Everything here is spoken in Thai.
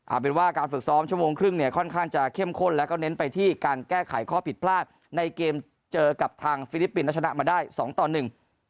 เอาเป็นว่าการฝึกซ้อมชั่วโมงครึ่งเนี่ยค่อนข้างจะเข้มข้นแล้วก็เน้นไปที่การแก้ไขข้อผิดพลาดในเกมเจอกับทางฟิลิปปินส์แล้วชนะมาได้สองต่อหนึ่ง